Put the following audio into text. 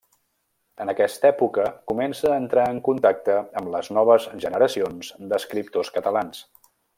En aquesta època comença a entrar en contacte amb les noves generacions d'escriptors catalans.